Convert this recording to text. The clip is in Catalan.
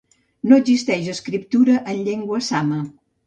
No existeix escriptura en llengua sama.